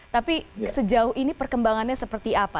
tapi sejauh ini perkembangannya seperti apa